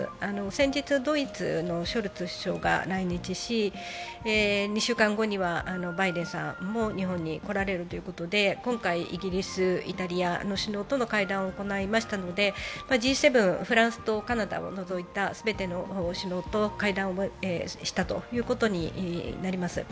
先日ドイツのショルツ首相が来日し、２週間後にはバイデンさんも来られるということで今回、イギリス、イタリアの首脳との会談を行いましたので、Ｇ７、フランスとカナダを除いた全ての首脳と会談をしたということになります。